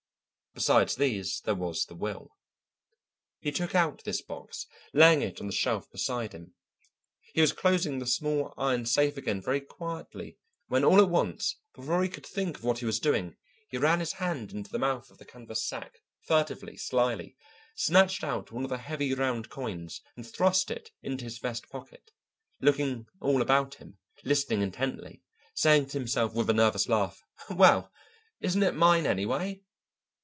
Besides these there was the will. He took out this box, laying it on the shelf beside him. He was closing the small iron safe again very quietly when all at once, before he could think of what he was doing, he ran his hand into the mouth of the canvas sack, furtively, slyly, snatched one of the heavy round coins, and thrust it into his vest pocket, looking all about him, listening intently, saying to himself with a nervous laugh, "Well, isn't it mine anyway?"